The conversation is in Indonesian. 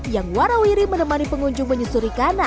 yang warawiri menemani pengunjung menyusuri kanan